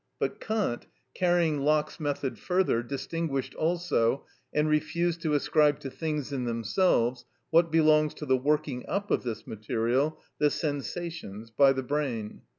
But Kant, carrying Locke's method further, distinguished also, and refused to ascribe to things in themselves what belongs to the working up of this material (the sensations) by the brain.